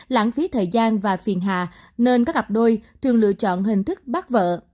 lãng phí thời gian và phiền hà nên các cặp đôi thường lựa chọn hình thức bắt vợ